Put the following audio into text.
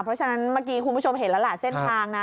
เพราะฉะนั้นเมื่อกี้คุณผู้ชมเห็นแล้วล่ะเส้นทางนะ